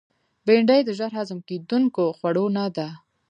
بېنډۍ د ژر هضم کېدونکو خوړو نه ده